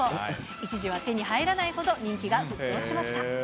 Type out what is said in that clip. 一時は手に入らないほど人気が沸騰しました。